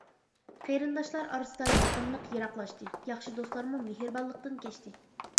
قېرىنداشلار ئارىسىدا يېقىنلىق يىراقلاشتى، ياخشى دوستلارمۇ مېھرىبانلىقتىن كەچتى.